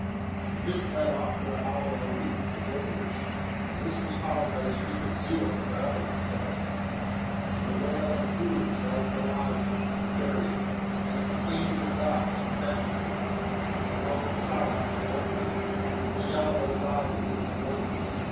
and this led off to the howl of Areep, the dervish; and this was followed by the shriek of Zeel, the garlic seller; and the waul of Krooz el Krazawik, the carrier; and the complainings of Dob, the confectioner; and the groan of Sallap, the broker; and the yell of Azawool, the builder.